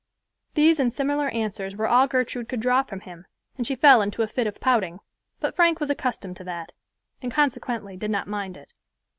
These and similar answers were all Gertrude could draw from him, and she fell into a fit of pouting; but Frank was accustomed to that, and consequently did not mind it.